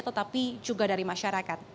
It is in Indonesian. tetapi juga dari masyarakat